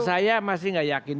saya masih gak yakin